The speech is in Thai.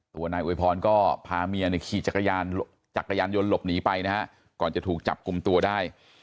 ตัวนายอวยพรก็พาเมียเนี่ยขี่จักรยานยนต์หลบหนีไปนะฮะก่อนจะถูกจับกลุ่มตัวได้